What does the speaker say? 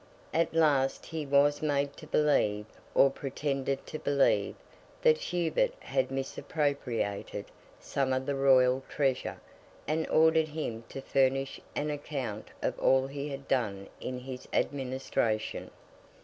At last he was made to believe, or pretended to believe, that Hubert had misappropriated some of the Royal treasure; and ordered him to furnish an account of all he had done in his administration.